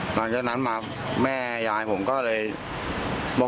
หลังจากนั้นมาแม่ยายผมก็เลยบอก